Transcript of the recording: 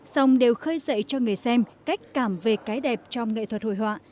song đều khơi dậy cho người xem cách cảm về cái đẹp trong nghệ thuật hội họa